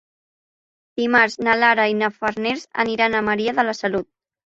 Dimarts na Lara i na Farners aniran a Maria de la Salut.